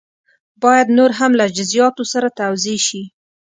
باید نور هم له جزیاتو سره توضیح شي.